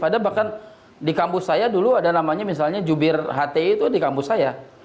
ada bahkan di kampus saya dulu ada namanya misalnya jubir hti itu di kampus saya